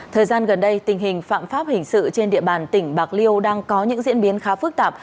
thời gian gần đây tình hình phạm pháp hình sự trên địa bàn tỉnh bạc liêu đang có những diễn biến khá phức tạp